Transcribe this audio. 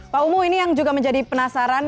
pak umu ini yang juga menjadi penasaran